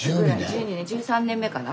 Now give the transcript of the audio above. １２年１３年目かな。